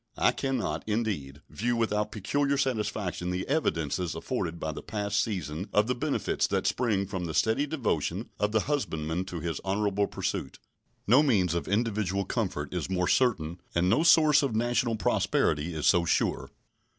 I cannot, indeed, view without peculiar satisfaction the evidences afforded by the past season of the benefits that spring from the steady devotion of the husbandman to his honorable pursuit. No means of individual comfort is more certain and no source of national prosperity is so sure.